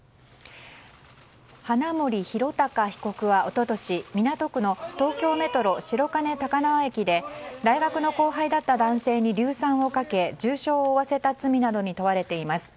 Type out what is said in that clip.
花森弘卓被告は一昨年港区の東京メトロ白金高輪駅で大学の後輩だった男性に硫酸をかけ重傷を負わせた罪などに問われています。